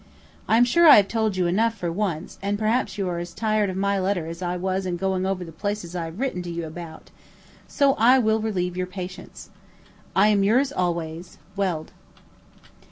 I am sure I have told you enough for once, and perhaps you are as tired of my letter as I was in going over the places I have written to you about; so I will relieve your patience. I am yours always, WELD.